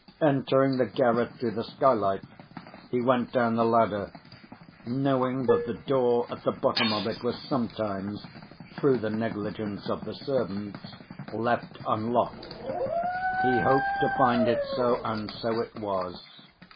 Entering the garret through the skylight, he went down the ladder, knowing that the door at the bottom of it was sometimes, through the negligence of the servants, left unlocked. He hoped to find it so, and so it was.